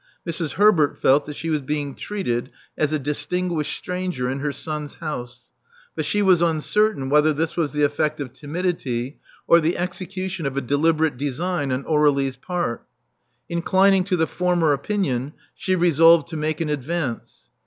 Mrs. Herbert felt that she was being treated as a distinguished stranger in her son's house; but she was uncertain whether this was the effect of timidity or the execution of a deliberate design on Aur^lie's part. Inclining to the former opinion, she resolved to make an advance.